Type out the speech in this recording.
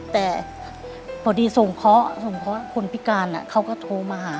แต่ประดีส่งเค้าคนพิการเค้าก็โทรมาหา